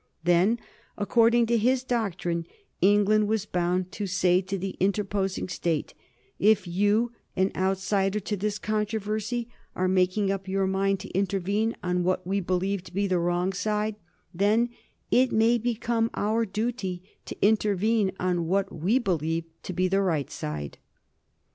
Then, according to his doctrine, England was bound to say to the interposing State: "If you, an outsider to this controversy, are making up your mind to intervene on what we believe to be the wrong side, then it may become our duty to intervene on what we believe to be the right side."